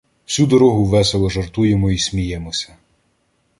Всю дорогу весело жартуємо й сміємося.